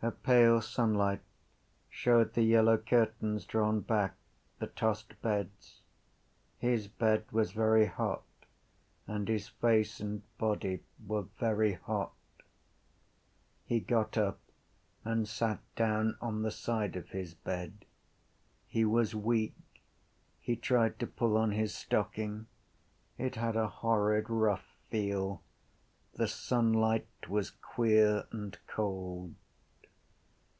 A pale sunlight showed the yellow curtains drawn back, the tossed beds. His bed was very hot and his face and body were very hot. He got up and sat on the side of his bed. He was weak. He tried to pull on his stocking. It had a horrid rough feel. The sunlight was queer and cold.